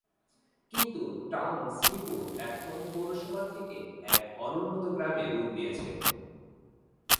কিন্তু টাউন শ্রীপুর এখন পৌরসভা থেকে এক অনুন্নত গ্রামে রুপ নিয়েছে।